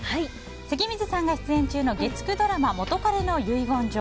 関水さんが出演中の月９ドラマ「元彼の遺言状」。